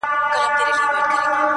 o کوڅه دربی سپى څوک نه خوري٫